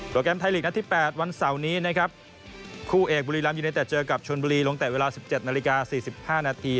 แกรมไทยลีกนัดที่๘วันเสาร์นี้นะครับคู่เอกบุรีรัมยูเนเต็ดเจอกับชนบุรีลงแต่เวลา๑๗นาฬิกา๔๕นาที